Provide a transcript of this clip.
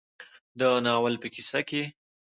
د ناول په کيسه کې